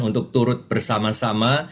untuk turut bersama sama